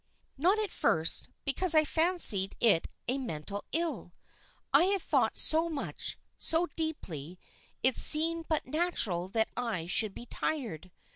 "Not at first, because I fancied it a mental ill. I had thought so much, so deeply, it seemed but natural that I should be tired.